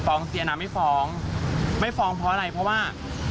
ตอนนี้มากกว่า